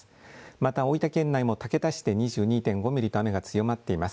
また大分県内も竹田市で２２．５ミリと雨が強まっています。